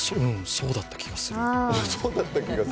そうだった気がする。